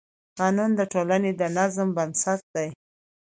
قانون د ټولنې د نظم بنسټ دی.